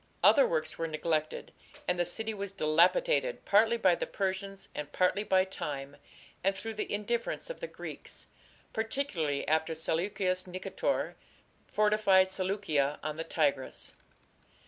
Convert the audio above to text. "Other works were neglected, and the city was dilapidated partly by the Persians and partly by time and through the indifference of the Greeks, particularly after Seleucus Nicator fortified Seleukeia on the Tigris."